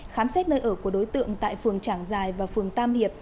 khám xét nơi ở của đối tượng tại phường trảng giài và phường tam hiệp